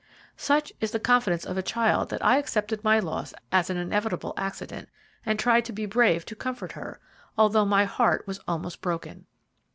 Such is the confidence of a child that I accepted my loss as an inevitable accident, and tried to be brave to comfort her, although my heart was almost broken.